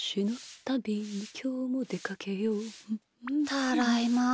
ただいま。